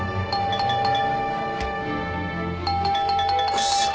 ・クソ。